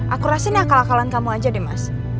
aku rasa ini akal akalan kamu aja deh mas